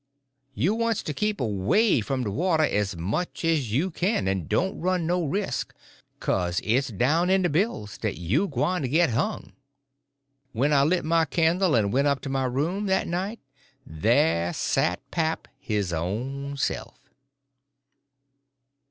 You wants to keep 'way fum de water as much as you kin, en don't run no resk, 'kase it's down in de bills dat you's gwyne to git hung." When I lit my candle and went up to my room that night there sat pap his own self!